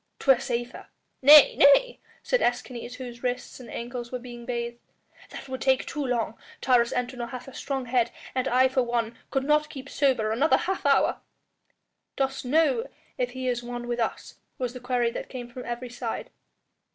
"'Twere safer." "Nay! nay!" said Escanes, whose wrists and ankles were being bathed, "that would take too long. Taurus Antinor hath a strong head, and I, for one, could not keep sober another half hour." "Dost know if he is at one with us?" was the query that came from every side.